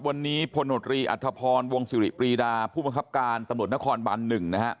วันนี้พรอัฐพรวงศิริปรีดาผู้บังคับการณ์ตำรวจนครบัน๑